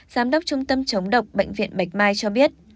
giám đốc trung tâm chống độc bệnh viện bạch mai cho biết